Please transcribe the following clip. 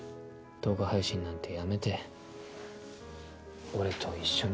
動画配信なんてやめて俺と一緒に。